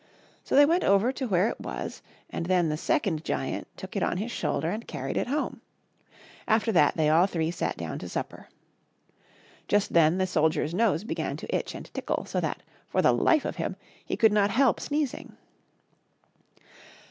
So they went over to where it was, and then the second giant took it on his shoulder and carried it home. After that they all three sat down to supper. Just then the soldier's nose began to itch and tickle, so that, for the life of him, he could not help sneezing.